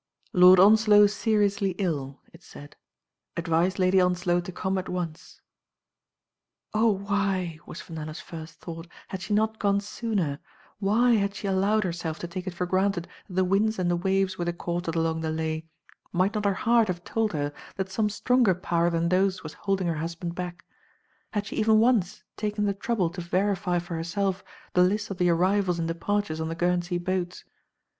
Lord Onslow seriously ill," it said. "Advise Lady Onslow to come at once. "Oh, why, was Fenella's first thought, "had she not gone sooner? Why had she allowed herself to take it for granted that the winds and the waves were the cause of the long delay? Might not her heart have told her that some stronger power than those was holding her hus band back? Had she even once taken the trou ble to verify for herself the list of the arrivals and departures on the Guernsey boats.